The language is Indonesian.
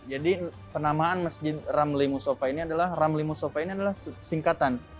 jadi penamaan masjid ramli musofa ini adalah ramli musofa ini adalah singkatan